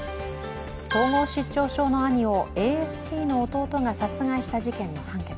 統合失調症の兄をＡＳＤの弟が殺害した事件の判決。